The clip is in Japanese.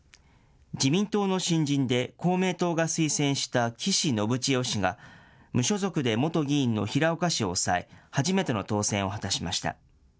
自民党の新人で公明党が推薦した岸信千世氏が、無所属で元議員の平岡氏を抑え、初めての当選を果たしました。